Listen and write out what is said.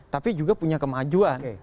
tapi juga punya kemajuan